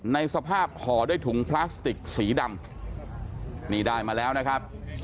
ในสภาพห่อด้วยถุงพลาสติกสีดำนี่ได้มาแล้วนะครับ